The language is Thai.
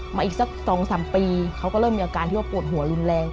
มาอีกสัก๒๓ปีเขาก็เริ่มมีอาการที่ว่าปวดหัวรุนแรง